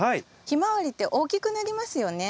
ヒマワリって大きくなりますよね。